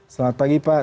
selamat pagi pak